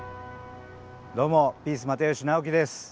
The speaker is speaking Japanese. どうもピース又吉直樹です。